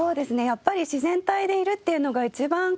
やっぱり自然体でいるっていうのが一番。